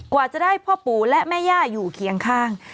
กว่าจะได้พ่อปู่และแม่ย่าอยู่เคียงข้าง